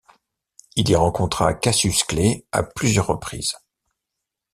Il y rencontra Cassius Clay à plusieurs reprises.